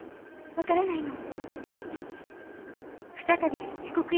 分からないの。